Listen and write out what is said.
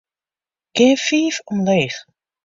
Gean fiif omleech.